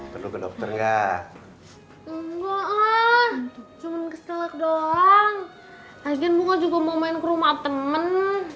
perlu ke dokter enggak ah cuman keselak doang agen bunga juga mau main ke rumah temen